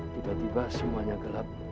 tiba tiba semuanya gelap